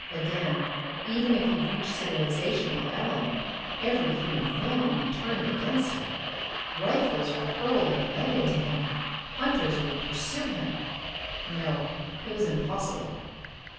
Again, even if he reached civilisation with Ellen, every human hand would be turned against him. Rifles would hurl their lead into him. Hunters would pursue him.... No, it was impossible.